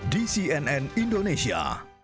di cnn indonesia